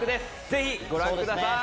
ぜひご覧ください